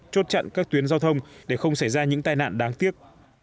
chốt chặn các tuyến giao thông để không xảy ra những tai nạn đáng tiếc